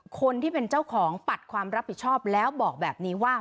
คนที่เป็นเจ้าของปัดความรับผิดชอบแล้วบอกแบบนี้ว่า